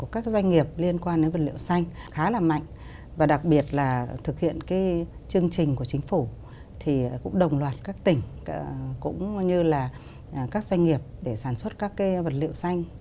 các doanh nghiệp liên quan đến vật liệu xanh khá là mạnh và đặc biệt là thực hiện cái chương trình của chính phủ thì cũng đồng loạt các tỉnh cũng như là các doanh nghiệp để sản xuất các cái vật liệu xanh